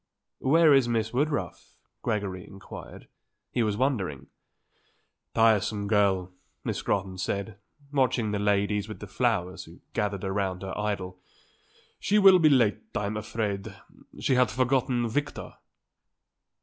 "Where is Miss Woodruff?" Gregory inquired. He was wondering. "Tiresome girl," Miss Scrotton said, watching the ladies with the flowers who gathered around her idol. "She will be late, I'm afraid. She had forgotten Victor."